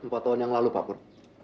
empat tahun yang lalu pak pur